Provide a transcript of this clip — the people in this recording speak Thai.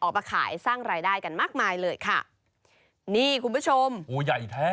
มาขายสร้างรายได้กันมากมายเลยค่ะนี่คุณผู้ชมโอ้ใหญ่แท้